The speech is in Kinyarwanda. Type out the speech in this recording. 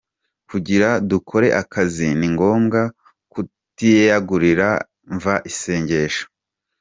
Kugira dukore akazi, ni ngombwa ku tuyigarurira… mva I Seshego.